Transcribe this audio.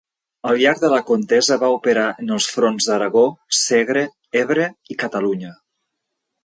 Al llarg de la contesa va operar en els fronts d'Aragó, Segre, Ebre i Catalunya.